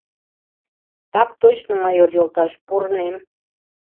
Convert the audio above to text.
— Так точно, майор йолташ, пурынем.